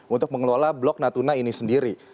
untuk mengelola blok natuna ini sendiri